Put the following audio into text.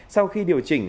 sau khi điều chỉnh